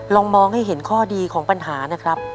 มองให้เห็นข้อดีของปัญหานะครับ